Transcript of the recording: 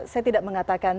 saya tidak mengatakan